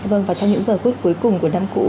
vâng và trong những giờ phút cuối cùng của năm cũ